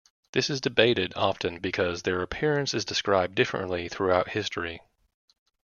This is debated often because their appearance is described differently throughout history.